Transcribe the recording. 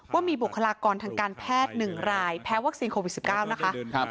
ว่ามีบุคลากรทางการแพทย์๑รายแพ้วัคซีนโควิด๑๙นะคะ